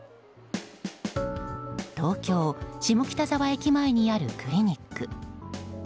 東京・下北沢駅前にあるクリニック。